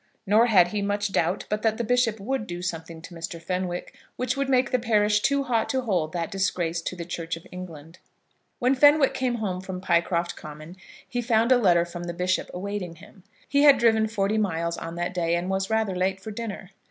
Nor had he much doubt but that the bishop would do something to Mr. Fenwick, which would make the parish too hot to hold that disgrace to the Church of England. When Fenwick came home from Pycroft Common he found a letter from the bishop awaiting him. He had driven forty miles on that day, and was rather late for dinner.